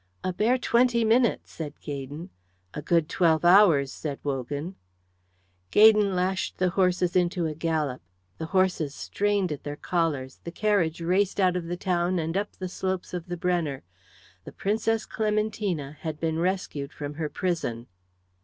"A bare twenty minutes," said Gaydon. "A good twelve hours," said Wogan. Gaydon lashed the horses into a gallop, the horses strained at their collars, the carriage raced out of the town and up the slopes of the Brenner. The princess Clementina had been rescued from her prison.